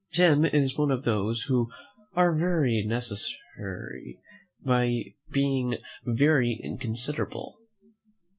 Tim is one of those who are very necessary, by being very inconsiderable.